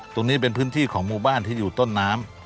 ตรงนี้เป็นพื้นที่ของหมู่บ้านที่อยู่ต้นน้ำ